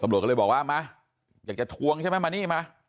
ตำรวจก็เลยบอกว่ามาอยากจะทวงใช่ไหมมานี่มา